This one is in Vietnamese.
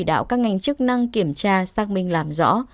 đạo các ngành chức năng kiểm tra xác minh làm rõ